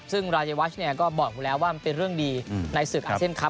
ซึ่งราชวาชก็บอกกันแล้วว่ามันเป็นเรื่องดีในศึกอาเซ่นครับ